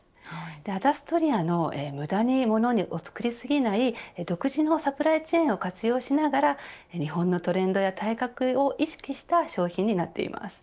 アダストリアの、無駄にものを作り過ぎない独自のサプライチェーンを活用しながら日本のトレンドや体格を意識した商品になっています。